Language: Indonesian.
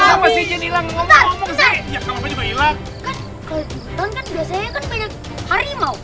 kan kalau ganteng kan biasanya kan banyak harimau